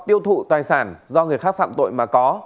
tiêu thụ tài sản do người khác phạm tội mà có